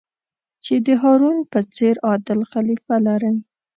چې د هارون په څېر عادل خلیفه لرئ.